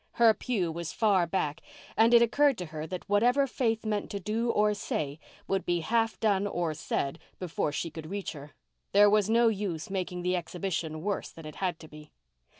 Her pew was far back and it occurred to her that whatever Faith meant to do or say would be half done or said before she could reach her. There was no use making the exhibition worse than it had to be.